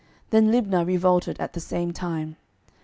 Then Libnah revolted at the same time.